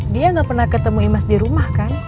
dia gak pernah ketemu imas di rumah kan